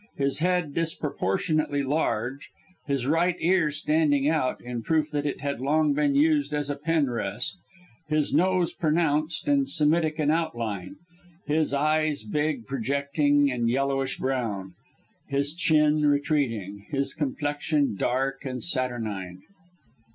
His head disproportionately large; his right ear standing out, in proof that it had long been used as a pen rest; his nose pronounced and Semitic in outline; his eyes, big, projecting and yellowish brown; his chin, retreating; his complexion, dark and saturnine.